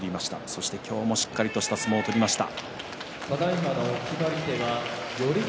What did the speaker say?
そして今日もしっかりとした相撲を取りました。